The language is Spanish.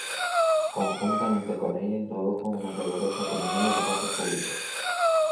Conjuntamente con ella introdujo una rigurosa economía en los gastos públicos.